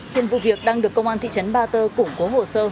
hiện vụ việc đang được công an thị trấn ba tơ củng cố hồ sơ